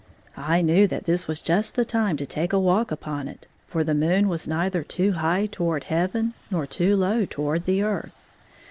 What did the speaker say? I knew that this was just the time to take a walk upon it, for the moon was neither too high toward heaven, nor too low toward the earth.